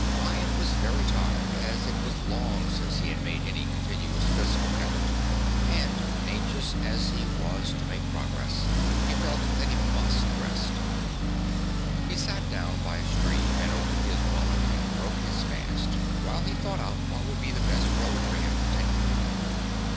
Ian was very tired as it was long since he had made any continuous physical effort and, anxious as he was to make progress, he felt that he must rest. He sat down by a stream and opened his wallet and broke his fast, while he thought out what would be the best road for him to take.